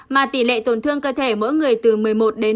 mà tỷ lệ tổn thương cơ thể mỗi người từ một mươi một đến ba mươi